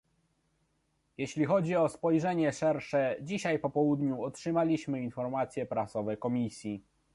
Jeżeli chodzi o spojrzenie szersze, dzisiaj po południu otrzymaliśmy informacje prasowe Komisji